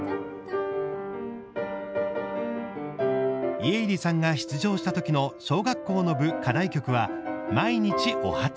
家入さんが出場した時の小学校の部、課題曲は「まいにち「おはつ」」。